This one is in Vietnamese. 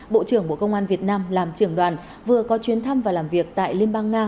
bộ trưởng bộ công an việt nam làm trưởng đoàn vừa có chuyến thăm và làm việc tại liên bang nga